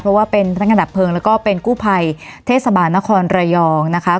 เพราะว่าเป็นพนักงานดับเพลิงแล้วก็เป็นกู้ภัยเทศบาลนครระยองนะคะ